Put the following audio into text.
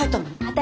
私！